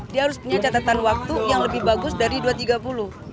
dia harus punya catatan waktu yang lebih bagus dari dua ratus tiga puluh